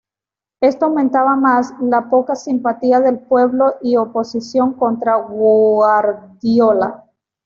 Esto aumentaba más, la poca simpatía del pueblo y oposición contra Guardiola.